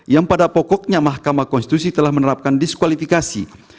yang pada pokoknya mahkamah konstitusi telah menerapkan diskualifikasi